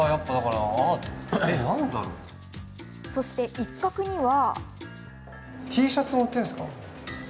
そして、一角には。